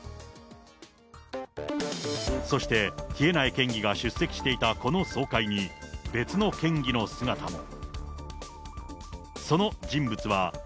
そして稗苗県議が出席していたこの総会に、別の県議の姿も。